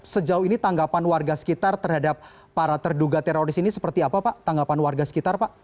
sejauh ini tanggapan warga sekitar terhadap para terduga teroris ini seperti apa pak